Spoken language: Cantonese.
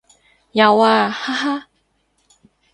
有啊，哈哈